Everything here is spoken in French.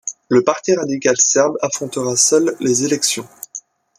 Le Parti radical serbe affrontera seul les élections.